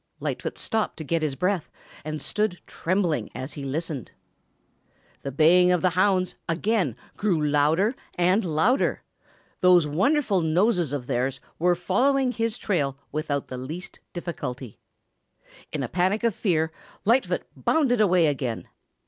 Lightfoot stopped to get his breath and stood trembling as he listened. The baying of the hounds again grew louder and louder. Those wonderful noses of theirs were following his trail without the least difficulty. In a panic of fear, Lightfoot bounded away again.